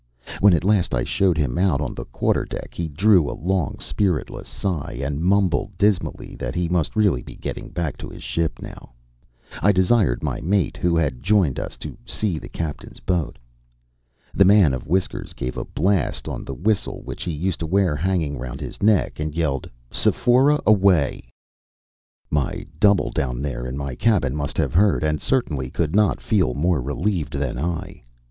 When at last I showed him out on the quarter deck he drew a long, spiritless sigh, and mumbled dismally that he must really be going back to his ship now. I desired my mate, who had joined us, to see to the captain's boat. The man of whiskers gave a blast on the whistle which he used to wear hanging round his neck, and yelled, "Sephora's away!" My double down there in my cabin must have heard, and certainly could not feel more relieved than I.